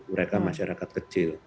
mereka masyarakat kecil